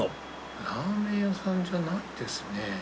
ラーメン屋さんじゃないですね。